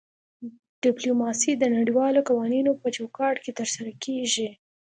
ډیپلوماسي د نړیوالو قوانینو په چوکاټ کې ترسره کیږي